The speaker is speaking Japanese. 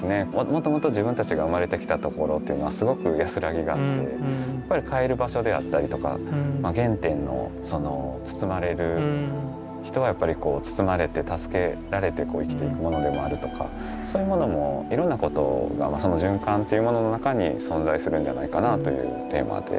もともと自分たちが生まれてきたところというのはすごく安らぎがあって帰る場所であったりとか原点のその包まれる人はやっぱりこう包まれて助けられて生きていくものでもあるとかそういうものもいろんなことがその循環というものの中に存在するんじゃないかなというテーマで。